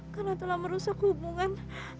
karena telah merusak hubungan